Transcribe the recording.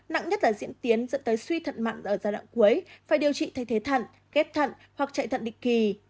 nặng nhất là diễn tiến dẫn tới suy thận mặn ở giai đoạn cuối phải điều trị thay thế thận ghép thận hoặc chạy thận địch kỳ